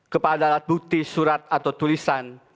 kepada alat bukti surat atau tulisan